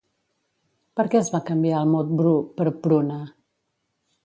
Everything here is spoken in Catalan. Per què es va canviar el mot “bru” per “pruna”?